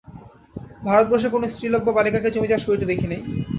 ভারতবর্ষে কোন স্ত্রীলোক বা বালিকাকে জমি চাষ করিতে দেখি নাই।